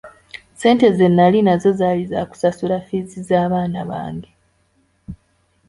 Ssente ze nali nazo zaali za kusasula ffiizi z'abaana bange.